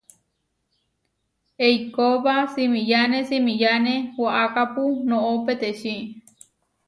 Eikóba simiyáne simiyáne waʼakápu noʼó peteči.